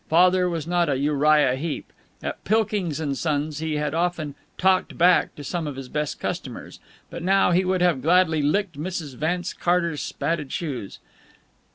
Father was not a Uriah Heep. At Pilkings & Son's he had often "talked back" to some of his best customers. But now he would gladly have licked Mrs. Vance Carter's spatted shoes.